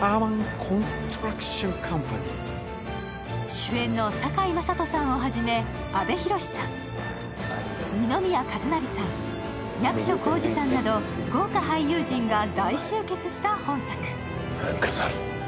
主演の堺雅人さんをはじめ阿部寛さん、二宮和也さん、役所広司さんなど豪華俳優陣が大集結した本作。